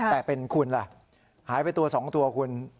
แต่เป็นคุณล่ะหายไปตัว๒ตัวคุณ